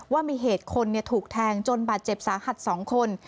ว่ามีเหตุคนถูกแทงจนบาดเจ็บสาหัส๒คน